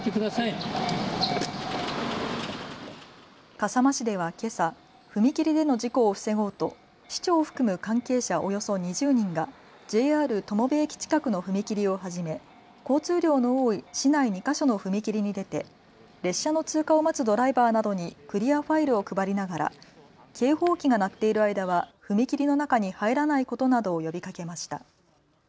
笠間市ではけさ踏切での事故を防ごうと市長を含む関係者およそ２０人がＪＲ友部駅近くの踏切をはじめ、交通量の多い市内２か所の踏切に出て列車の通過を待つドライバーなどにクリアファイルを配りながら警報機が鳴っている間は踏切の中に入らないことなどを呼びかけました。